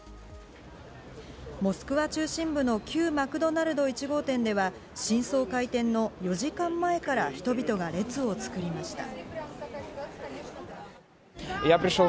モスクワ中心部の旧マクドナルド１号店では、新装開店の４時間前から人々が列を作りました。